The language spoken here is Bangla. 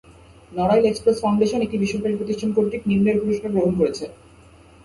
নড়াইল এক্সপ্রেস ফাউন্ডেশন একটি বেসরকারী প্রতিষ্ঠান কর্তৃক নিম্নের পুরস্কার গ্রহণ করেছে।